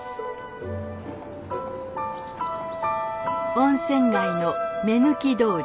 温泉街の目抜き通り。